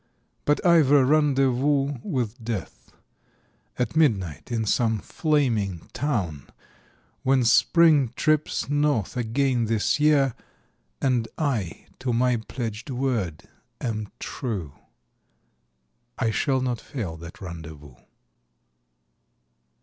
. But I've a rendezvous with Death At midnight in some flaming town, When Spring trips north again this year, And I to my pledged word am true, I shall not fail that rendezvous.